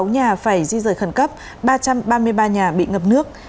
sáu nhà phải di rời khẩn cấp ba trăm ba mươi ba nhà bị ngập nước